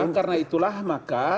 karena itulah maka